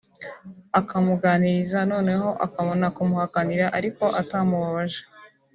ukamuganiriza noneho ukabona kumuhakanira ariko utamubabaje